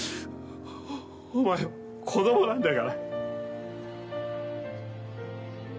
お前は子供なんだから！